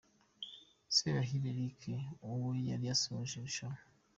Sebahire Eric ubwo yari asoje irushanwa .